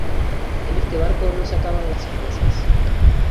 en este barco no se acaban las sorpresas.